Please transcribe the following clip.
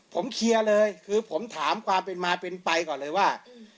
ผมเคลียร์เลยคือผมถามความเป็นมาเป็นไปก่อนเลยว่า